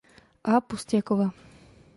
A. Pustjakova.